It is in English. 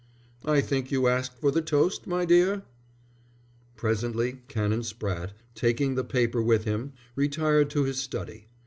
"I think you asked for the toast, my dear." Presently Canon Spratte, taking the paper with him, retired to his study.